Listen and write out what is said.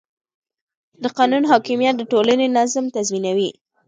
د قانون حاکمیت د ټولنې نظم تضمینوي